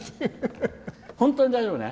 本当に大丈夫ね？